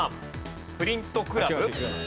プリントクラブ？